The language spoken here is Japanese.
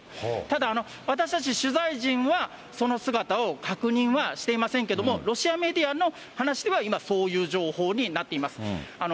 ただ、私たち取材陣は、その姿を確認はしていませんけれども、ロシアメディアの話では今、そういう情報になっています。